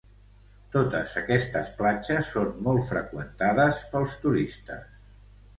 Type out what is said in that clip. Totes aquestes platges són molt freqüentades pels turistes.